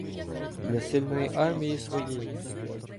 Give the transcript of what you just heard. Для сильной армії своєї